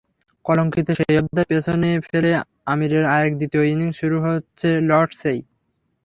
কলঙ্কিত সেই অধ্যায় পেছনে ফেলে আমিরের আরেক দ্বিতীয় ইনিংস শুরু হচ্ছে লর্ডসেই।